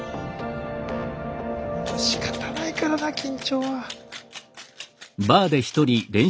まあしかたないからな緊張は。